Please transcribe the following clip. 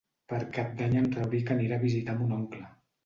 Per Cap d'Any en Rauric anirà a visitar mon oncle.